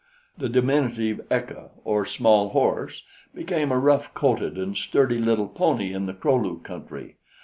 The diminutive ecca, or small horse, became a rough coated and sturdy little pony in the Kro lu country.